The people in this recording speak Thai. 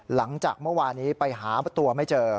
หลังจากเมื่อวานี้ไปหาตัวไม่เจอ